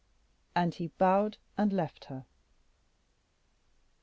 And he bowed and left her.